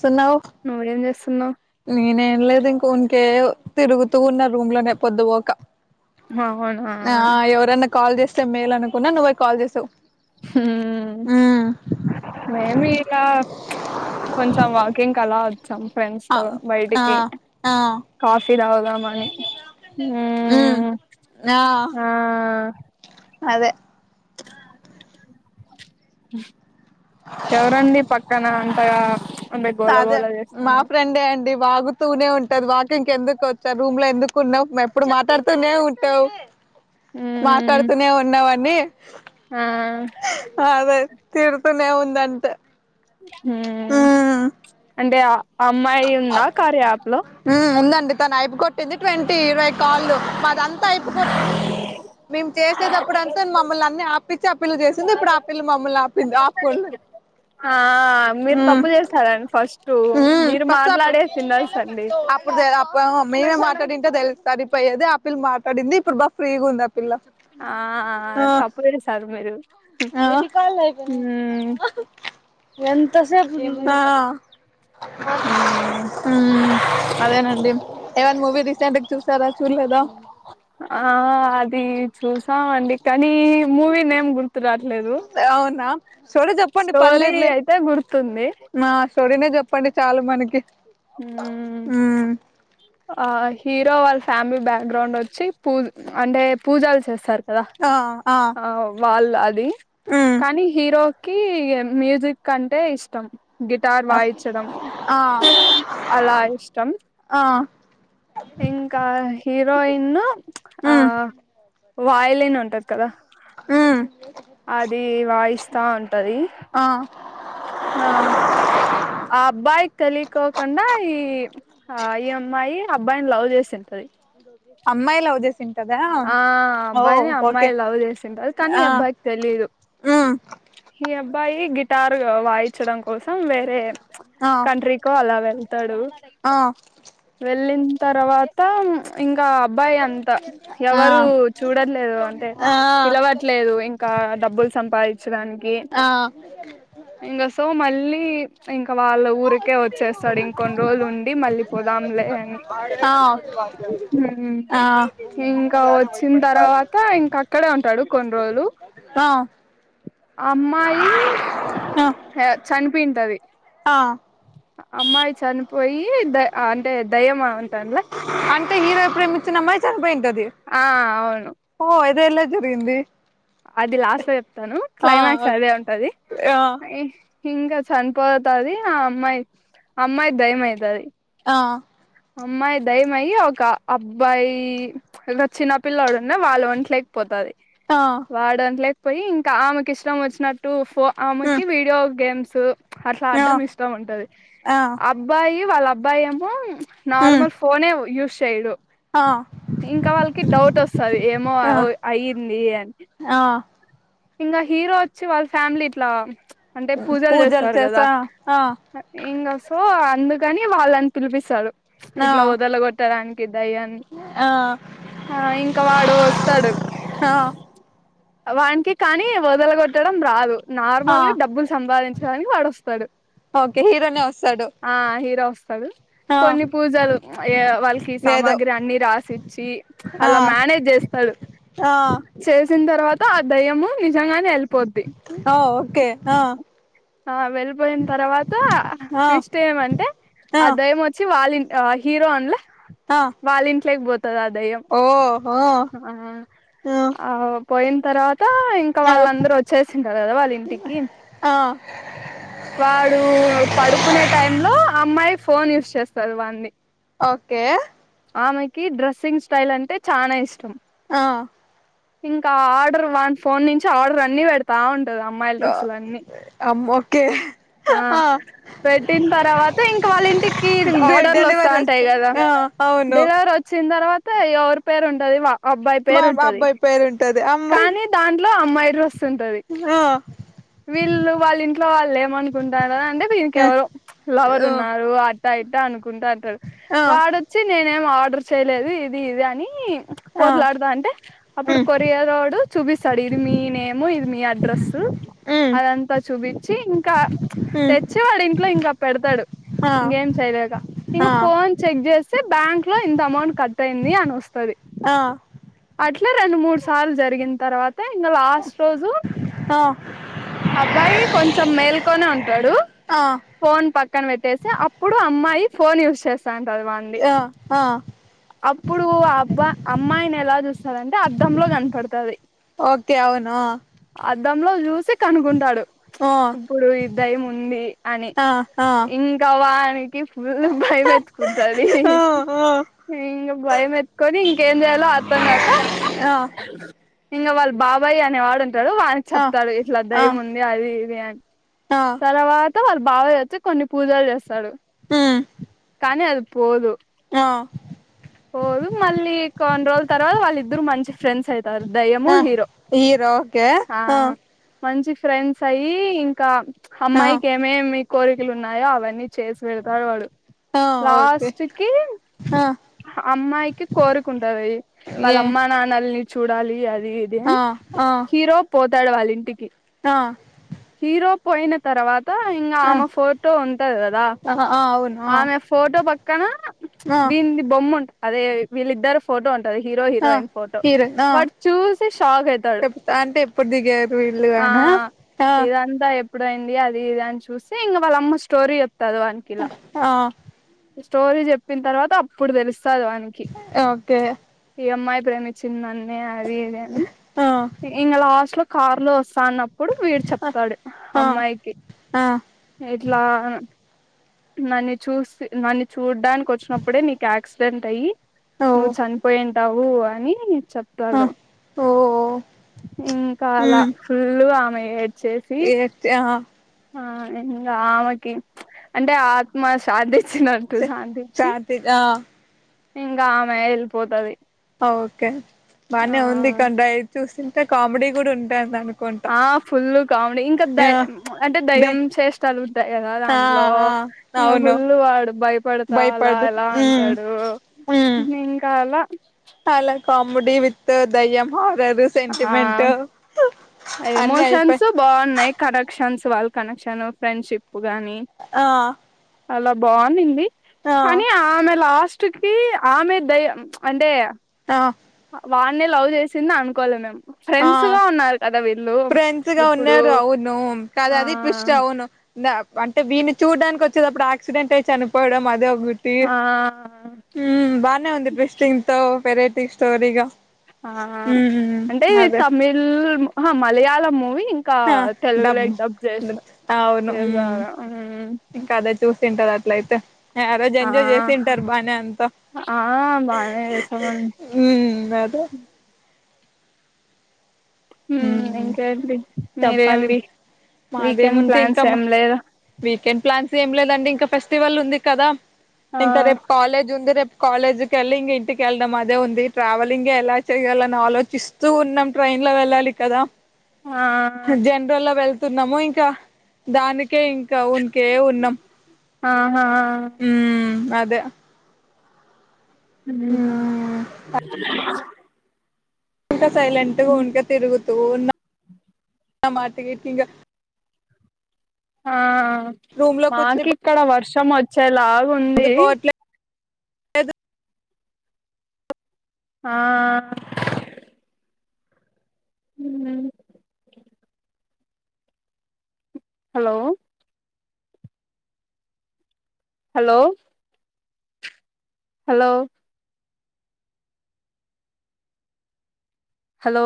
సున్నావ్ నువ్వేం చేస్తున్నావ్ ననే లేదు ఇంక ఉంకే తిరుగుతూ ఉన్న రూమ్ లోనే పొద్దు పోక అవునా ఆ ఎవరన్నా కాల్ చేస్తే మేల్ అనుకున్నా నువ్వై కాల్ చేసావ్ హ్మ్మ్ బ్యామేయిలా కొంచెం వాక్ కింకాల వచ్చాం ఫ్రెండ్స్ ఆ తో ఆ బయటికి ఆ కాఫీ టీ తాగుదామని ఉమ్ ఆ అదే ఎవరండి పక్కన అంతగా అంటే గోల అదే గోల మా చేస్తున్నారు ఫ్రెండే అండి వాగుతూనే ఉంటది వాకింగ్ ఎందుకు వచ్చారు రూమ్ లో ఎందుకు ఉన్నావు ఎప్పుడు మాట్లాడుతూనే ఉంటావ్ మ్మ్ మాట్లాడుతూనే ఉన్నవాన్ని ఆ అదే తిడుతూనే ఉందంట ఉం అంటే ఆ అమ్మాయి ఉందా కార్య యాప్ లో ఉమ్ ఉందండి తను అయిపు కొట్టింది ట్వంటీ ఇరవై కాల్ లు మాదంత అయిపు మేము చేసేదప్పుడు అంతా మమ్మల్ని అన్ని ఆపిచ్చి ఆ పిల్ల చేసింది ఇప్పుడు ఆ పిల్ల మమ్మల్ని ఆపింది ఆపకూడలేదు ఆ మీరు తప్పు చేస్తారండి ఫస్ట్ మీరు మా అప్పుడ్ మేమే మాట ంటో తెలుడిపోయది ఆ పిల్ల మాట్లాడింది ఇప్పుడు బా ఫ్రీగా ఉంది ఆ పిల్ల ఆ [unintelligible] ఆ తప్పు చేశారు మీరు ఆ మ్మ్ ఎంత సేపు ఉం ఉం అదేనండి ఏవైనా మూవీ రీసెంట్కి చూసారా చూడలేదా ఆ అది చూసా అండి కానీ మూవీ నేం గుర్తురాదు లేదు అవునా స్టోరీ చెప్పండి స్టోరీ పర్లేదులే అయితే గుర్తు మా స్టోరినే చెప్పండి చాలు మనకి హమ్ మ్మ్ ఆ హీరో వాళ్ళ ఫ్యామిలీ బ్యాక్గ్రౌండ్ వచ్చి పూ అంటే పూజలు చేస్తారు కదా ఆ వాళ్ళు అది మ్మ్ కానీ హీరో కి మ్యూజిక్ అంటే ఇష్టం గిటార్ వాయిచడం ఆ అలా ఇష్టం ఆ ఇంకా హీరోయిన్ ఆ మ్మ్ వయిలిన్ అంటారు కదా మ్మ్ అది వాయిస్తా అంటది ఆ ఆ ఆ అబ్బాయి కి తెలియ కోకుండా ఈ ఆ ఈ అమ్మాయి అబ్బాయిని లవ్ చేసింటది అమ్మాయి లవ్ చే ఆ అబ్బాయిని ఓకే అమ్మాయి లవ్ చేసింటది కానీ ఈ ఆ అబ్బాయికి తెలియదు మ్మ్ ఈ అబ్బాయి గిటార్ వాయిచడం కోసం వేరే ఆ కంట్రీకో అలా వెళ్తాడు ఆ వెళ్ళింది తర్వాత ఇంకా అబ్బాయి అంతా ఆ ఎవరు చూడట్లేదు అంటే ఆ పిలవట్లేదు ఇంకా డబ్బులు సంపాదిచ్చడానికి ఆ ఆ ఇంగ సో మల్లి వాళ్ళ ఊరికే వచ్చేస్తాడు ఇంకొన్ని రోజులు ఉండి మళ్ళీ పోదాంలే అని ఆ ఉం ఇంకా వచ్చిన తర్వాత ఇంకా అక్కడే ఉంటాడు కొన్ని రోజులు ఆ ఆ అమ్మాయి ఆ చనిపోయింటది ఆ అమ్మాయి చనిపోయి ద అంటే దయ్యమ అంటే హీరో ప్రేమిచ్చిన అమ్మాయి చనిపోయుంటధి ఆ అవును ఇది ఎలా జరిగింది అది లాస్ట్ లో చెప్తాను ఆ క్లైమాక్స్ అదే ఉంటది ఆ అ హింగా చనిపోతది ఆ అమ్మాయి అమ్మాయి దయ్యం అయితది ఆ అమ్మాయి దయ్యమయ్యి ఒక అబ్బాయి చిన్న పిల్లడు ఉన్నా వాళ్ళు వంటలేకపోతది ఆ వాడు వంట్లే పోయి ఇంకా ఆమెకి ఇష్టం వచ్చినట్టు ఫో ఆమెకి ఆ వీడియో గేమ్స్ అట్లా అడ్డం ఇష్టం ఉంటది ఆ అబ్బాయి వాళ్ళ అబ్బాయి ఏమో నార్మల్ ఫోనే యూస్ చేయడు ఇంకా వాళ్ళకి డౌట్ వస్తది ఏమో అయ్యింది అని హ ఇంగ హీరో వచ్చి వాళ్ళ ఫ్యామిలీ ఇట్లా అంటే పూజలు చేస్తారు కదా చేసా ఆ ఇంగా సో అందుకని వాళ్ళని పిలిపిస్తారు ఆ ఇట్లా వదలగొట్టడానికి దయ్యాన్ని ఆ ఆ ఇంకా వాడు వొస్తాడు ఆ వానికి కానీ వదలగొట్టడం రాదు ఆ నార్మల్గా డబ్బులు సంపాదించడానికి వాడొస్తాడు ఓకే ఆ హీరో వ హ పూజలు వాళ్ళకి సామాగ్రి అన్ని రాసిచ్చి ఆ అలా మేనేజ్ చేస్తాడు ఆ చేసిన తర్వాత ఆ దయ్యము నిజంగానే వెల్ ఆ ఓకే ఆ ఆ వెళ్ళిపోయిన తర్వాత ఆ ట్విస్ట్ ఏమంటే ఆ ఆదయ్యం వచ్చి వాలిం ఆ హీరో అన్ల ఆ వాళ్ళ ఇంట్లేకి పో తది ఆ దయ్యం ఓ ఓ ఆ ఆ పోయిన తర్వాత ఇంకా వాళ్ళందరూ వచ్చేసింటారు కదా వాళ్ళింటికి ఆ వాడు పడుకునే టైంలో అమ్మాయి ఫోన్ యూజ్ చేస్తాది వాన్ది ఓకే ఆమెకి డ్రెస్సింగ్ స్టైల్ అంటే చానా ఇష్టం ఆ ఇంకా ఆర్డర్ వాన్ ఫోన్ నుంచి ఆర్డర్ అన్ని పెడతా ఉం అమ్ ఓకే ఆ పెట్టిన్ తర్వాత ఇంకా వాళ్ళింటికి ఆర్డర్లు డెలివరీ వస్తాంటాయి వస్తది కదా ఆ అవును డెలివరీ వచ్చిన తర్వాత ఎవరి పేరు ఉంటది వా అబ్బాయి మా పేరు ఉంటది అబ్బాయి పేరు ఉంటది అమ్మాయి కానీ దాం ట్లో అమ్మాయి డ్రెస్ ఉంటది ఆ వీళ్ళు వాళ్ళింట్లో వాళ్ళు ఏమనుకుంటార అంటే వినికి ఎవరో లవర్ ఉన్నారు అట్ట ఇట్ట అనుకుంటూ అంటారు ఆ వాడొచ్చి నేనేం ఆ ర్డర్ చేయలేదు ఇది ఇది అని ఆ పోట్లాడదా అంటే అప్పుడు ఉమ్ కొరియారోడు చూపిస్తాడు ఇది మీ నేము ఇది మీ అడ్రస్సు ఉమ్ అదంతా చూపిచి ఇంకా ఉమ్ తెచ్చి వాడి ఇంట్లో ఇంకా పెడతాడు ఆ ఇంకేం చేయలేక ఇంక ఆ ఫోన్ చెక్ చేస్తే బ్యాంక్ లో ఇంత అమౌంట్ కట్ అయింది అని వ ఆ అట్లా రెండు మూడు సార్లు జరిగిన తర్వాత ఇంగ లాస్ట్ రోజు ఆ అబ్బాయి కొంచెం మేల్కొనే ఉంటాడు ఆ ఫోన్ పక్కన పెట్టేసి అప్పుడు అమ్మాయి ఫోన్ యూజ్ చే స్తాంటది వాన్ది ఆ ఆ అప్పుడు అబ్బా అమ్మాయిని ఎలా చూ స్తాదంటే అద్దంలో కనపడుతాది ఓకే అవును అద్దంలో చూసి కనుకుంటాడు ఆ ఇప్పుడు ఈ దైమ్ ఉంది అని ఆ ఆ ఇంకా వానికి ఫుల్ భయమేతుకుంటది ఆ ఆ ఇంగ భయం ఎత్తుకొని ఇంకేం చేయాలో అర్థంగాక ఆ ఇంగా వాళ్ళ బాబాయ్ అనే వాడు ఉంటాడు వానికి ఆ చెప్తాడు ఇట్లా ఆ దయముం ది అని ఆ తర్వాత వాళ్ళ బాబాయ్ వచ్చి కొన్ని పూజలు చేస్తాడు ఉమ్ కానీ అది పోదు ఆ పోదు మళ్ళీ కొన్ని రోజుల తర్వాత వాళ్ళి ద్దరూ మంచి ఫ్రెండ్స్ అయితారు దయ్యము ఆ హీరో హీరో ఓకే ఆ మంచి ఫ్రెండ్స్ అయి ఇంకా ఆ అమ్మాయికి ఏమేమి కోరికలు ఉన్నాయో అవన్నీ చేసి పెడతాడు వాడు ఆ ఓకే లాస్ట్‌కి ఆ అమ్మాయికి కోరికుంటది వాళ్ళ ఏ అమ్మా నాన్నల్ని చూడాలి అది ఇది ఆ అని ఆ హీరో పోతాడు వాళ్ళింటికి ఆ హీరో పోయిన తర్వాత ఇంకా ఆ ఆమె ఫోటో ఉంటది కదా ఆ ఆ అవును ఆ ఆమె ఫోటో పక్కన ఆ వీంది బొమ్మ ఉంట అదే వీళ్ళిద్దరు ఫోటో ఉంట హీరో ఆ హీరోయిన్ ఫోటో హీరోయిన్ ఆ వాడు చూసి షాక్ అవుతాడు చెప్తా అంటే ఎప్పుడు దిగారు వీళ్ళు అనా ఆ ఇదంతా ఎప్పుడైంది అది ఇది అని చూసి ఇంక వాళ్ళమ్మ స్టోరీ చదవానికి ఇలా ఆ స్టోరీ చెప్పిన తర్వాత అప్పుడు తెలుస్తు ప్రసాదవానికి ఓకే ఈ అమ్మాయి ప్రేమించింది అదిని ఆ ఇ లాస్ట్ లో కార్ లో వస్తా అప్పుడు వీడు చెప్తాడు ఆ అమ్మాయికి ఆ ఇట్లా నన్ను చూసి నన్ను చూడ్డానికి వచ్చినప్పుడే నీకు యాక్సిడెంట్ అయ్యి ఓ నువ్ చని పోయింటావు అని ఆ చెప్తారు ఓ ఇంకా అలా ఫుల్ ఆమె ఏడ్చేసి ఏతే ఆ ఇంకా ఆమెకి అంటే ఆత్మ శాంతి చ్చినంటూ శాంతించ స్వాతి ఆ ఇంకా ఆమె వెలి పోతుది ఓకే బాగానే ఉంది ఇక డై చూసింటే కామెడీ కూడా ఉంటాయి దానికి ఆ ఫుల్ కామెడీ ఇంకా ద అంటే దే దయం చేష్టలు ఎలా ఆ దాంట్లో ఆ ఇంకా అవును ఫుల్లు వాడు భయపడతా అలా భయపడు ఎలా ఉమ్ అంటాడు ఉమ్ ఇంకా అలా అలా కమెడి విత్ దయ్యమ్ ఆ అన్ని అయిపోయి ఎమోషన్స్ బాగున్నాయి కడక్షన్స్ వాల్ కనెక్షన్ ఫ్రెండ్షిప్ గాని ఆ అాల బాగుందింది ఆ కానీ ఆమె లాస్ట్ కి ఆమె దయ అంటే ఆ వాడినే లవ్ చేసింది అనుకోవలే మేము ఆ ఫ్రెండ్స్ గా ఉన్నారు కదా వీళ్ళు ఫ్రెండ్స్గా ఇప్పుడు ఉన్నారుడు అవును కద ఆ అది విస్ట్ అవును అంటే వీని చూడానికి వచ్చేటప్పుడు యాసిడెంట్ అయిి చనిపోవడం అదే టి ఆ బానే వంద ఇ్రెస్ట్ంగ్ంతవ వెరైటి స్టోరగా ఆ అంటే తమిళ మలయాళం మూవీ ఇంకా ఆ డబ్ తెలుగులోకి చేస్తా అవును చేసారు ఇంకాదే చూ తింటారు అట్ల అయితే ఆ రోజు ఎంజాయ్ చేసి తింటారు బానే అంత ఆ బానే చేసామండి ఉ మద ఉమ్ ఇంకాడి చెప్పాలి మీరేమి వీకెండ్ మాదేముంది ఇంకా ప్లాన్స్ ఏం లేద వీకెండ్ ప్లాన్స్ ఏం లేదండి ఇంకా ఫెస్టివల్ ఉంది కదా ఆ ఇంకా రేపు కాలేజ్ ఉంది రేపు కాలేజ్ క వెళ్ళలి ఇం ఇంటికిెళ్డం అదే ఉంది ట్రావెలింగ్ ఎలా చెయ్యాలని ఆలోచిస్తూ ఉన్నాం ట్రైన్ లో వెళ్ళాలి కదా ఆ జనరల్ లో వెళ్తున్నాము ఇంకా దానికే ఇంకా ఉన్కే ఉన్నాం ఆహా ముద్ద్ద హ ఇంకా సైలెంట్గా ఉంక తిరుగుతూ ఉన్న నా మాటకి ఇంకా ఆ రూమ్ లో మాకు కూర్చొని ఇక్కడ వర్షం వచ్చేలాగు ఉంది పొద్దు పోవట్లేదు ఆ అ హలో హలో హలో హలో